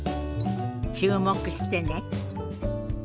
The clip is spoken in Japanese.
注目してね。